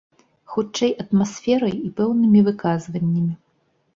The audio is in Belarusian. Хутчэй, атмасферай і пэўнымі выказваннямі.